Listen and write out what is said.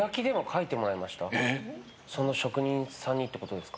その職人さんにってことですか。